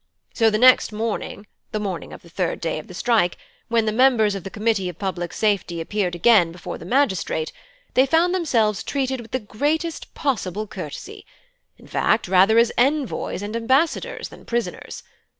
So the next morning, the morning of the third day of the strike, when the members of the Committee of Public Safety appeared again before the magistrate, they found themselves treated with the greatest possible courtesy in fact, rather as envoys and ambassadors than prisoners.